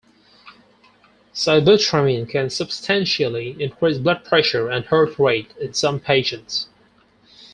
Sibutramine can substantially increase blood pressure and heart rate in some patients.